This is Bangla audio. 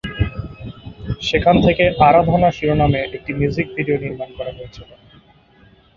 সেখান থেকে ‘আরাধনা’ শিরোনামে একটি মিউজিক ভিডিও নির্মাণ করা হয়েছিল।